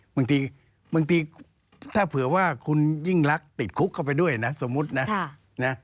บางทีบางทีถ้าเผื่อว่าคุณยิ่งรักติดคุกเข้าไปด้วยนะสมมุตินะ